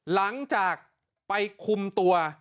หลังจากไปคุมตัว